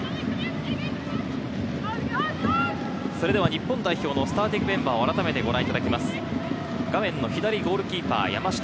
日本代表のスターティングメンバーをあらためてご覧いただきます。